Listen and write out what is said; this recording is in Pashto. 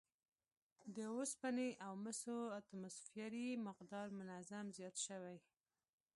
د اوسپنې او مسو اتوموسفیري مقدار منظم زیات شوی